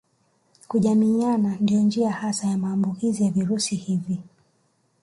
Kujamiiana ndiyo njia hasa ya maambukizi ya virusi hivi